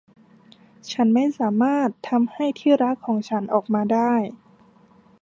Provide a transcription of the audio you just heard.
ฉันไม่สามารถทำให้ที่รักของฉันออกมาได้